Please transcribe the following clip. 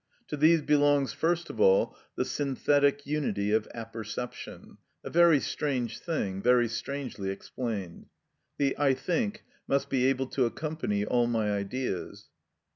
To these belongs first of all the synthetic unity of apperception: a very strange thing, very strangely explained. "The I think must be able to accompany all my ideas."